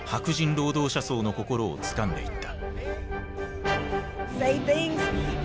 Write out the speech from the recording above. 労働者層の心をつかんでいった。